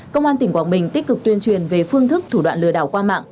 công an tỉnh quảng bình tích cực tuyên truyền về phương thức thủ đoạn lừa đảo qua mạng